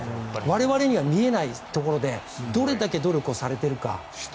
我々には見えないところでどれだけ努力をされているか。